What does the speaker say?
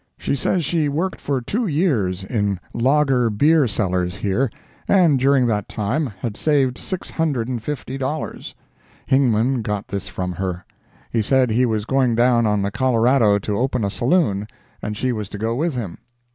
She says she worked for two years in lager beer cellars here, and, during that time, had saved six hundred and fifty dollars. Hingman got this from her. He said he was going down on the Colorado to open a Saloon, and she was to go with him.